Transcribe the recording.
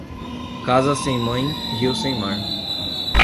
Casa sem mãe, rio sem mar.